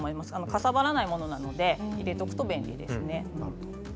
かさばらないものなので入れておくと便利ですね。